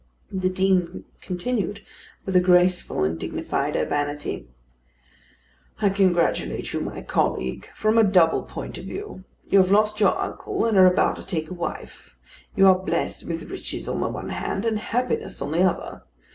The Dean continued, with a graceful and dignified urbanity: "I congratulate you, my colleague, from a double point of view. You have lost your uncle, and are about to take a wife; you are blessed with riches on the one hand, and happiness on the other.